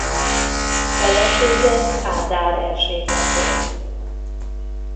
Felesége Kádár Erzsébet volt.